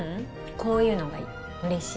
こういうのがいい嬉しい